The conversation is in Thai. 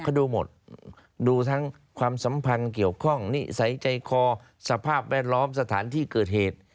เขาดูหมดดูทั้งความสัมพันธ์เกี่ยวข้องนิสัยใจคอสภาพแวดล้อมสถานที่เกิดเหตุ